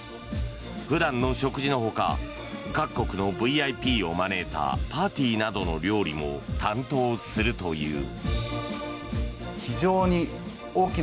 普段の食事のほか各国のＶＩＰを招いたパーティーなどの料理も担当するという。